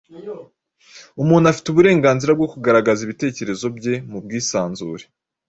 Umuntu afite uburenganzira bwo kugaragaza ibitekerezo bye mu bwisanzure.